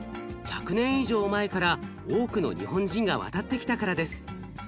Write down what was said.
１００年以上前から多くの日本人が渡ってきたからです。